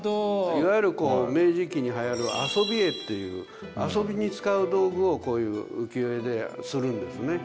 いわゆる明治期にはやるあそび絵っていう遊びに使う道具をこういう浮世絵でするんですね。